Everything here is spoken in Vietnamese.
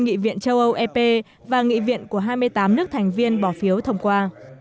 nghị viện châu âu ep và nghị viện của hai mươi tám nước thành viên bỏ phiếu thông qua